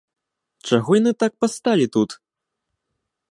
Чаго яны так пасталі тут?